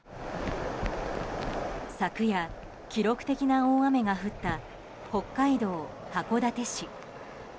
昨夜、記録的な大雨が降った北海道函館市。